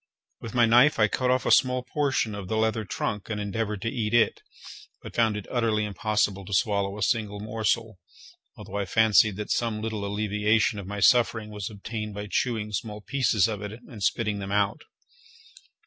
With my knife I cut off a small portion of the leather trunk, and endeavoured to eat it, but found it utterly impossible to swallow a single morsel, although I fancied that some little alleviation of my suffering was obtained by chewing small pieces of it and spitting them out.